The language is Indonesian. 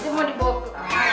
itu mau dibawa ke